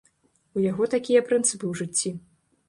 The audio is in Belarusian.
У яго такія прынцыпы ў жыцці.